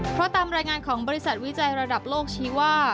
เพราะตามรายงานของบริษัทวิจัยระดับโลกชี้ว่า